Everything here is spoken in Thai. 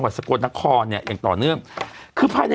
สวัสดีครับคุณผู้ชม